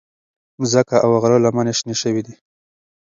مځکه او غره لمنې شنې شوې دي.